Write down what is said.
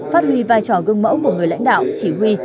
phát huy vai trò gương mẫu của người lãnh đạo chỉ huy